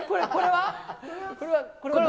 これは？